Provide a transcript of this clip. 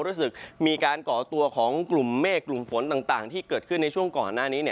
รู้สึกมีการก่อตัวของกลุ่มเมฆกลุ่มฝนต่างที่เกิดขึ้นในช่วงก่อนหน้านี้